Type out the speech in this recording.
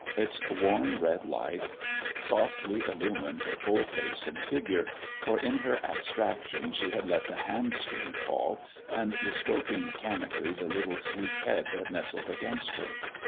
Its warm red light softly illumined her whole face and figure, for in her abstraction she had let the hand screen fall, and was stroking mechanically the little sleek head that nestled against her.